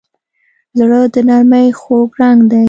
زړه د نرمۍ خوږ رنګ دی.